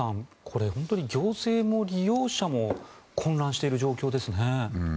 これ、本当に行政も利用者も混乱している状況ですね。